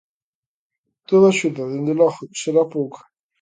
Toda axuda, dende logo, será pouca.